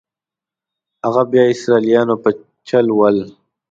هغه بیا اسرائیلیانو په چل ول.